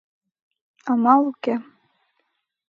Амал уке.